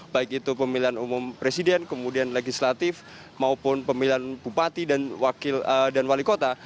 baik itu pemilihan umum presiden kemudian legislatif maupun pemilihan bupati dan wali kota